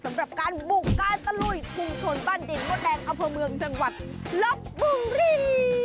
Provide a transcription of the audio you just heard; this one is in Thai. สำหรับการบุกการตะลุยชุมชนบ้านดินมดแดงอำเภอเมืองจังหวัดลบบุรี